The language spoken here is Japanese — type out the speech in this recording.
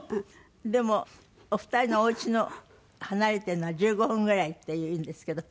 でもお二人のおうちの離れてるのは１５分ぐらいっていうんですけど。